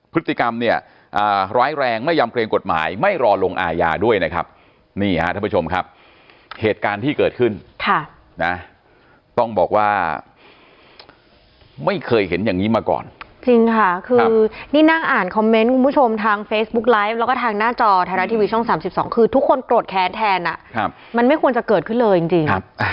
พฤติกรรมเนี่ยร้ายแรงไม่ยอมเกรงกฎหมายไม่รอลงอาญาด้วยนะครับนี่ฮะท่านผู้ชมครับเหตุการณ์ที่เกิดขึ้นค่ะนะต้องบอกว่าไม่เคยเห็นอย่างนี้มาก่อนจริงค่ะคือนี่นั่งอ่านคอมเมนต์คุณผู้ชมทางเฟซบุ๊กไลฟ์แล้วก็ทางหน้าจอไทยรัฐทีวีช่อง๓๒คือทุกคนโกรธแค้นแทนอ่ะครับมันไม่ควรจะเกิดขึ้นเลยจริง